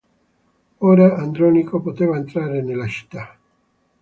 Ora Andronico poteva entrare nella città.